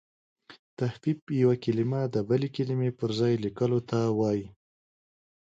تحريف یو کلمه د بلي کلمې پر ځای لیکلو ته وايي.